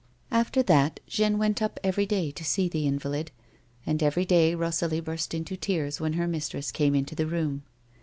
After that, Jeanne went up every day to see the invalid, and every day Rosalie burst into tears when her mistress came into the room.